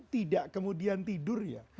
tidak kemudian tidur ya